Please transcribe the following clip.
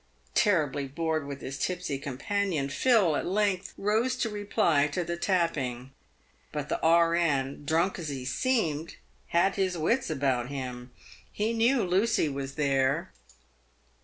Terribly bored with his tipsy companion, Phil at length rose to reply to the tapping ; but the E.N., drunk as he seemed, had his wits about him. He knew Lucy was there.